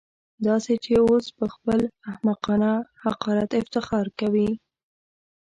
داسې چې اوس پهخپل احمقانه حقارت افتخار کوي.